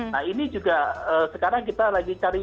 nah ini juga sekarang kita lagi cari